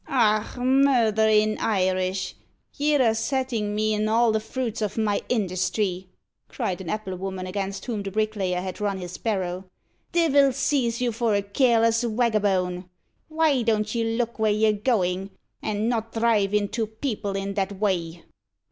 "Och, murther in Irish! ye're upsettin' me, an' all the fruits of my industry," cried an applewoman, against whom the bricklayer had run his barrow. "Divil seize you for a careless wagabone! Why don't you look where ye're goin', and not dhrive into people in that way?"